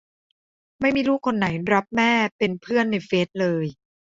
ไม่มีลูกคนไหนรับแม่เป็นเพื่อนในเฟซเลย